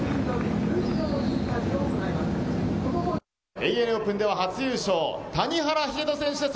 ＡＮＡオープンの初優勝、谷原秀人選手です。